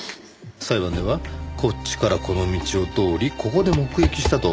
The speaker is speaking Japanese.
裁判ではこっちからこの道を通りここで目撃したと。